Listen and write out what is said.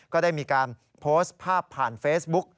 ก็ได้มีการโพสต์ภาพผ่านเฟซบุ๊ก